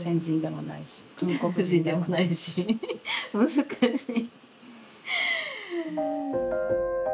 難しい。